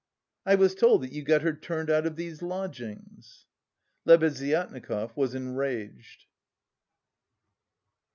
"I was told that you got her turned out of these lodgings." Lebeziatnikov was enraged.